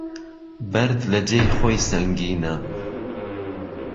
بهرد له جێ ی خۆی سهنگینه